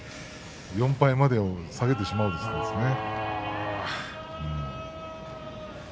４敗まで下げてしまうとですね。